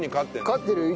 勝ってるよ